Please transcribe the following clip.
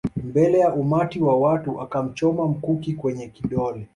Mbele ya umati wa watu akamchoma mkuki kwenye kidole